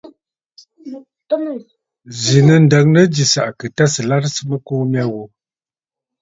Zǐ nɨ̂ ǹdəŋnə jì sàʼàkə̀ tâ sɨ̀ larɨsə mɨkuu mya ghu.